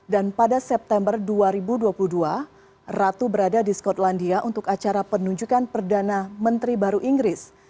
dan pada september dua ribu dua puluh dua ratu berada di skotlandia untuk acara penunjukan perdana menteri baru inggris